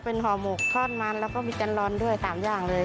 เป็นห่อหมกทอดมันแล้วก็มีแกนลอนด้วย๓อย่างเลย